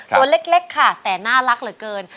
ตัวเล็กค่ะแต่น่ารักเหลือเกิน